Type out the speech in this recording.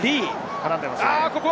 絡んでいますね。